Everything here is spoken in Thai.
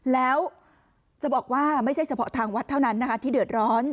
แล้วจะบอกว่าไม่ใช่เฉพาะทางวัดเท่านั้นนะคะที่เดือดร้อน